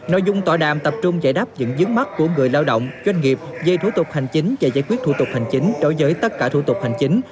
nội dung tọa đàm tập trung giải đáp những dướng mắt của người lao động doanh nghiệp về thủ tục hành chính và giải quyết thủ tục hành chính đối với tất cả thủ tục hành chính